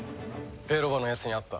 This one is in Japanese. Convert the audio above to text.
ベロバのやつに会った。